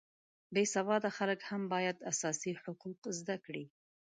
بې سواده خلک هم باید اساسي حقوق زده کړي